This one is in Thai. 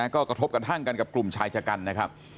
ก็กระทบกระทั่งกันกับกลุ่มชายชะกันนะครับ